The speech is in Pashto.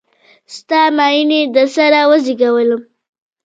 ستا میینې د سره وزیږولم